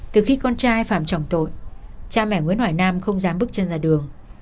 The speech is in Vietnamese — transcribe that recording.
từ khi con trai phạm trọng tội cha mẹ nguyễn hỏi nam không dám bước chân ra đường